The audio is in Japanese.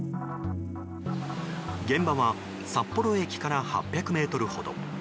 現場は札幌駅から８００ｍほど。